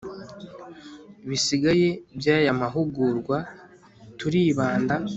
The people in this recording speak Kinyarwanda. bisigaye by'aya mahugurwa turibanda